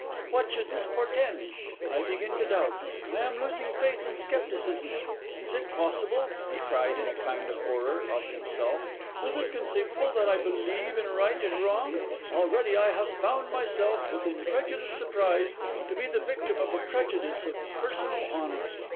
What should this portend? I begin to doubt; I am losing faith in scepticism. Is it possible,' he cried, in a kind of horror of himself—'is it conceivable that I believe in right and wrong? Already I have found myself, with incredulous surprise, to be the victim of a prejudice of personal honour.